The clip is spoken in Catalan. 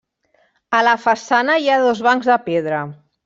A la façana hi ha dos bancs de pedra.